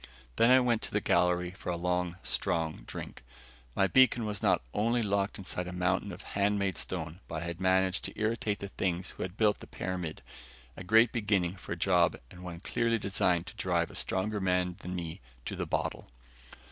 Then I went to the galley for a long, strong drink. My beacon was not only locked inside a mountain of handmade stone, but I had managed to irritate the things who had built the pyramid. A great beginning for a job and one clearly designed to drive a stronger man than me to the bottle.